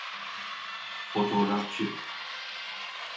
Fotoğrafçı…